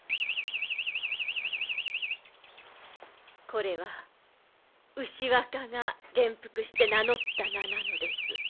これは牛若が元服して名乗った名なのです。